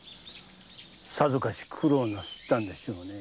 さぞかし苦労なさったんでしょうねぇ。